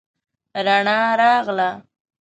رڼا راغله